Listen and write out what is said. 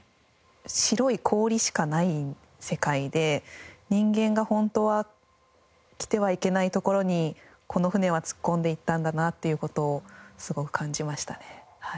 白い氷しかない世界で人間が本当は来てはいけない所にこの船は突っ込んでいったんだなっていう事をすごく感じましたねはい。